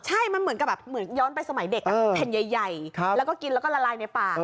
ใช่มันเหมือนกับแบบเหมือนย้อนไปสมัยเด็กแผ่นใหญ่แล้วก็กินแล้วก็ละลายในปาก